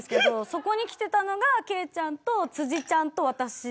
そこに来てたのが圭ちゃんと辻ちゃんと私で。